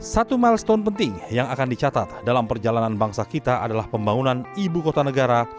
satu milestone penting yang akan dicatat dalam perjalanan bangsa kita adalah pembangunan ibu kota negara